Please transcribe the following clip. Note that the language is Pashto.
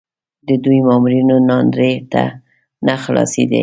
د دوو مامورینو ناندرۍ نه خلاصېدې.